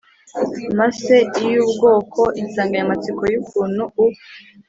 Masse iy ubwoko insanganyamatsiko y ukuntu u